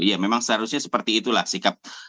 ya memang seharusnya seperti itulah sikap